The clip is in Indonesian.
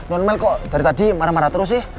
non mel kok dari tadi marah marah terus sih